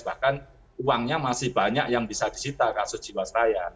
bahkan uangnya masih banyak yang bisa disita kasus jiwasraya